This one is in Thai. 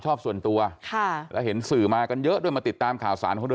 ใช่ค่ะ